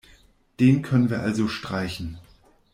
Den können wir also streichen.